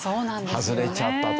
外れちゃったと。